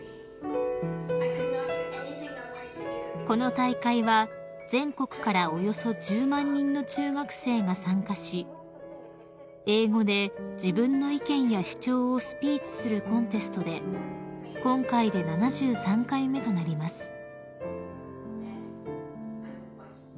［この大会は全国からおよそ１０万人の中学生が参加し英語で自分の意見や主張をスピーチするコンテストで今回で７３回目となります］